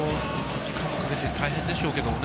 時間をかけて大変ですけどね。